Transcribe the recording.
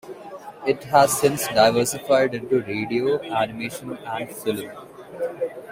It has since diversified into radio, animation and film.